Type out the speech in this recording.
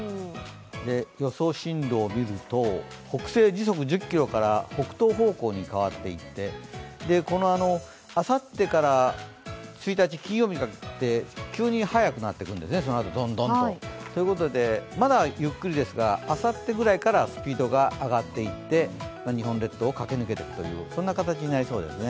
予想進路を見ると、北西時速１０キロから北東方向へ変わっていってあさってから１日、金曜日にかけて急に速くなっていくんですね。ということで、まだゆっくりですがあさってぐらいからスピードが上がっていって日本列島を駆け抜けていく形になりそうですね。